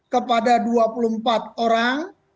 kepada dua puluh empat orang